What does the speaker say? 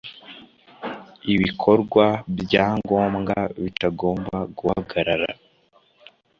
ibikorwa bya ngombwa bitagomba guhagarara